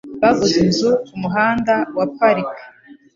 Baguze inzu kumuhanda wa Park.